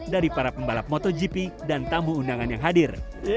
dari para pembalap motogp dan tamu undangan yang hadir